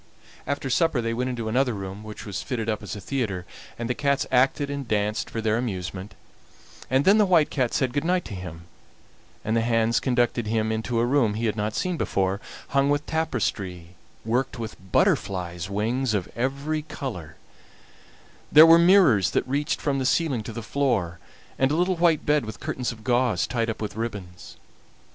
After supper they went into another room, which was fitted up as a theatre, and the cats acted and danced for their amusement, and then the White Cat said good night to him, and the hands conducted him into a room he had not seen before, hung with tapestry worked with butterflies' wings of every color; there were mirrors that reached from the ceiling to the floor, and a little white bed with curtains of gauze tied up with ribbons.